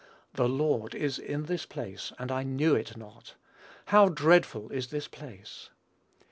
"The Lord is in this place, and I knew it not.... How dreadful is this place!"